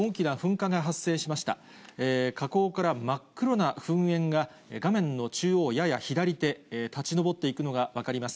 火口から真っ黒な噴煙が画面の中央やや左手、立ち上っていくのが分かります。